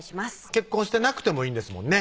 結婚してなくてもいいんですもんね